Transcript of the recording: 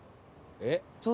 えっ？